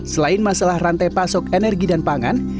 selain masalah rantai pasok energi dan pangan